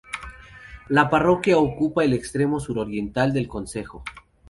La parroquia ocupa el extremo suroriental del concejo.